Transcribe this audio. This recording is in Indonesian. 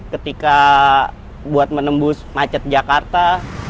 ketika buat menembus macet jakarta